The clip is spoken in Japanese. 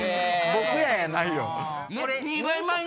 「僕や」やないよ！